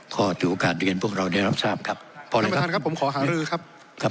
ขอถูกโอกาสเรียนพวกเราได้รับทราบครับขออาหารือครับ